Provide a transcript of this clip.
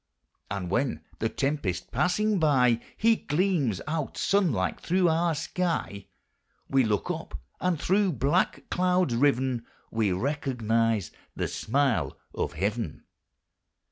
And when, the tempest passing by, He gleams out, sunlike through our sky, We look up, and through black clouds riven We recognize the smile of Heaven.